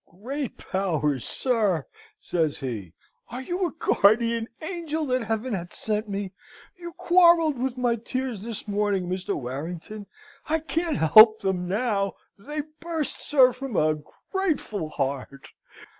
"Great powers, sir!" says he, "are you a guardian angel that Heaven hath sent me? You quarrelled with my tears this morning, Mr. Warrington. I can't help them now. They burst, sir, from a grateful heart.